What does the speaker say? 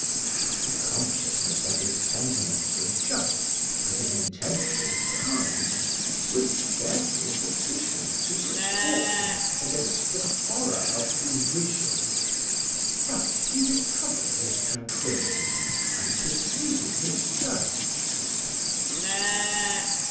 The consciousness that his sentiments were just and his intention kind was scarcely sufficient to support him against the horror of derision. But he recovered his tranquillity and pursued his search.